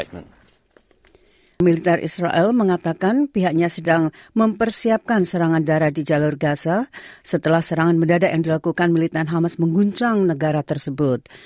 militer israel mengatakan pihaknya sedang mempersiapkan serangan darah di jalur gaza setelah serangan mendadak yang dilakukan militan hamas mengguncang negara tersebut